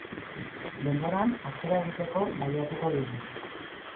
Denboran atzera egiteko baliatuko dugu.